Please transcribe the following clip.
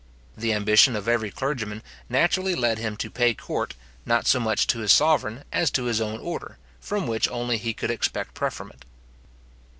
The ambition of every clergyman naturally led him to pay court, not so much to his sovereign as to his own order, from which only he could expect preferment.